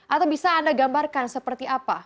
atau bisa anda gambarkan seperti apa